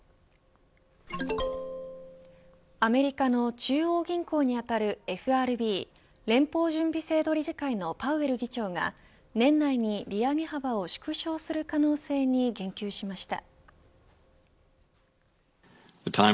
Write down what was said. アメリカの中央銀行にあたるＦＲＢ連邦準備制度理事会のパウエル議長が年内に、利上げ幅を縮小する可能性に言及しました。